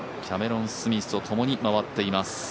キャメロン・スミスとともに回っています。